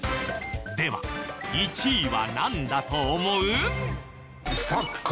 では１位はなんだと思う？